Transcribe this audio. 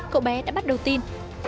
cậu bé đã bắt đầu tin